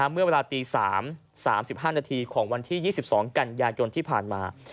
เมื่อเวลาตี๓๓๕นาทีของวันที่๒๒กันยายนที่ผ่านมา